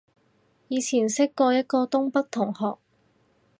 以前識過一個東北同學